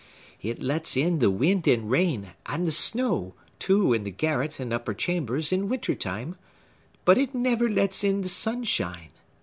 It lets in the wind and rain, and the snow, too, in the garret and upper chambers, in winter time, but it never lets in the sunshine.